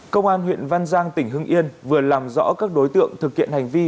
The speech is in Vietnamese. công an huyện văn giang tỉnh hưng yên vừa làm rõ các đối tượng thực hiện hành vi